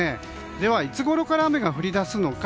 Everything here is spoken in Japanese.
では、いつごろから雨が降り出すのか。